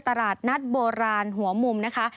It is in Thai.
ตลาดนัดโบราณหัวมุมนะคะ